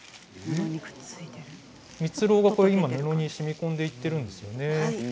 蜜ろうが布にしみこんでいっているんですよね。